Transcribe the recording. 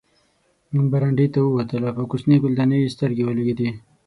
برنډې ته ووتله، په کوچنۍ ګلدانۍ یې سترګې ولګېدې.